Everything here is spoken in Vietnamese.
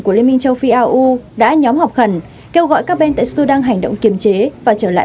của liên minh châu phi au đã nhóm họp khẩn kêu gọi các bên tại sudan hành động kiềm chế và trở lại